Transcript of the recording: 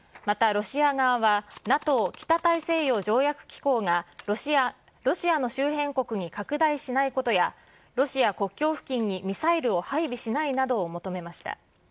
またロシア側はＮＡＴＯ・北大西洋条約機構が、ロシアの周辺国に拡大しないことやロシア国境付近にミサイルを配備しないなどを求めました。